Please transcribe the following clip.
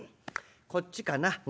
こっちかな」。